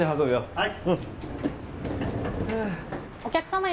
はい。